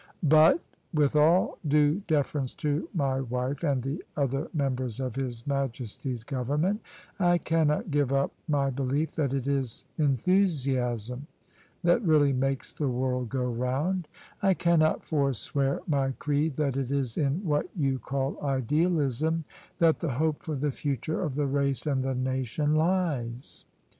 " But — ^with all due deference to my wife and the other Members of His Majesty's Government — I cannot give up my belief that it is enthusiasm that really makes the world go round : I cannot forswear my creed that it is in what you call idealism that the hope for the future of the race and the nation lies.